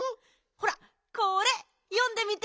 ほらこれよんでみて。